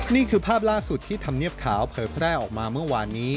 นี่คือภาพล่าสุดที่ธรรมเนียบขาวเผยแพร่ออกมาเมื่อวานนี้